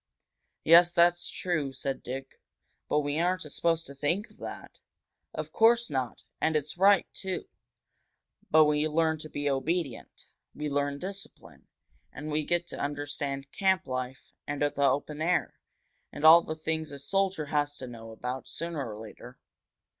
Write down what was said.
"Yes, that's true," said Dick. "But we aren't supposed to think of that." "Of course not, and it's right, too," agreed Harry. "But we learn to be obedient. We learn discipline. And we get to understand camp life, and the open air, and all the things a soldier has to know about, sooner or later.